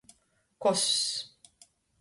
Koss.